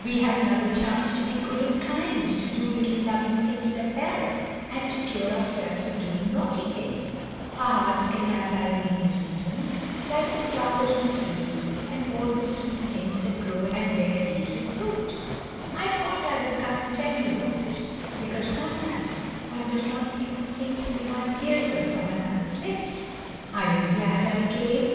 We have another chance to be good and kind, to do little loving things that help, and to cure ourselves of doing naughty things. Our hearts can have lovely new seasons, like the flowers and trees and all the sweet things that grow and bear leaves and fruit. I thought I would come and tell you all this, because sometimes one does not think of things till one hears them from another's lips. Are you glad I came?